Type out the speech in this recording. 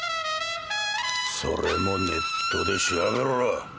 それもネットで調べろ！